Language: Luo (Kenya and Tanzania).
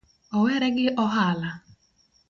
Owere gi ohala?